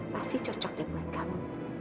pasti cocok deh buat kamu